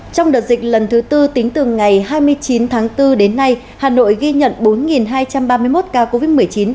trong đợt dịch lần thứ tư tính từ ngày hai mươi chín tháng bốn đến nay hà nội ghi nhận bốn hai trăm ba mươi một ca covid một mươi chín